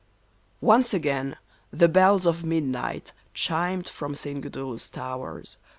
Once again the bells of midnight chimed from St. Gudula's towers.